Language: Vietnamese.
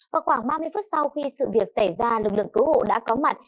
vào khoảng ba mươi phút sau khi sự việc xảy ra lực lượng cứu hộ đã có mặt